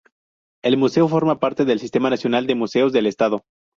El museo forma parte del Sistema Nacional de Museos del Estado.